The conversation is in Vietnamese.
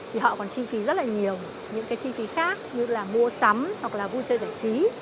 thì họ còn chi phí rất là nhiều những cái chi phí khác như là mua sắm hoặc là vui chơi giải trí